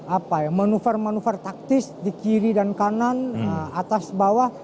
apa ya manuver manuver taktis di kiri dan kanan atas bawah